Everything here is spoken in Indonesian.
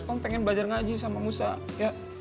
om pengen belajar ngaji sama musa ya